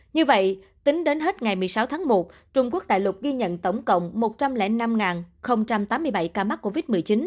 như vậy tính đến hết ngày một mươi sáu tháng một trung quốc đại lục ghi nhận tổng cộng một trăm linh năm tám mươi bảy ca mắc covid một mươi chín